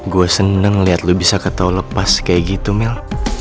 gua seneng liat lu bisa ketau lepas kaya gitu mil